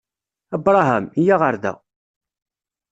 Abṛaham! Yya ɣer da!